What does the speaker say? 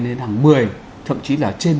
hàng một mươi thậm chí là trên một mươi